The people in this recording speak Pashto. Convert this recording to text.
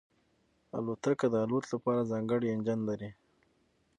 الوتکه د الوت لپاره ځانګړی انجن لري.